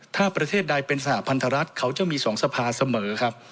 ถ้าประเทศใดเป็นสหพันธรัฐเขาจะมี๒สภาเสมอครับ